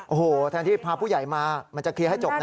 โอ้โหแทนที่พาผู้ใหญ่มามันจะเคลียร์ให้จบนะ